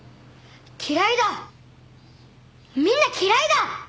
嫌いだみんな嫌いだ！